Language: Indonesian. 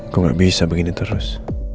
gue gak bisa begini terus